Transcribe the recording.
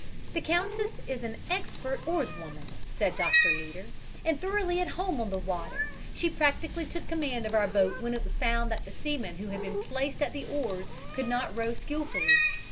"The countess is an expert oarswoman," said Doctor Leader, "and thoroughly at home on the water. She practically took command of our boat when it was found that the seaman who had been placed at the oars could not row skilfully.